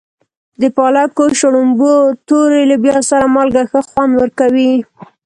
د پالک، شړومبو، تورې لوبیا سره مالګه ښه خوند ورکوي.